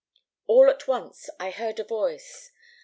All at once I heard a voice.